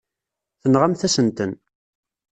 Tenɣamt-asen-ten.